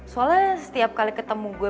soalnya setiap kali ketemu gue